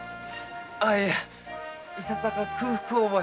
あいやいささか空腹を覚え。